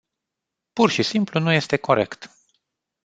Pur și simplu nu este corect.